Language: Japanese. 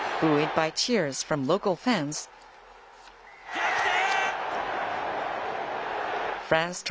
逆転。